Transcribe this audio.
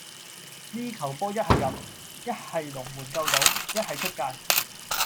呢球波一係入,一係龍門救到,一係出界.